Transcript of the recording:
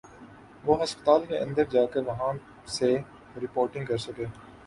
وہ ہسپتال کے اندر جا کر وہاں سے رپورٹنگ کر سکے۔